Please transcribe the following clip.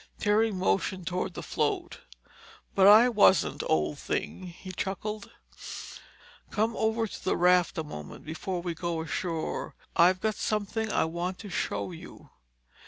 Terry motioned toward the float. "But I wasn't, old thing," he chuckled. "Come over to the raft a moment, before we go ashore. I've got something I want to show you."